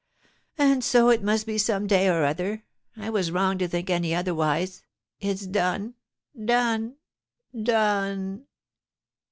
And so it must be some day or other. I was wrong to think any otherwise. It's done done done!"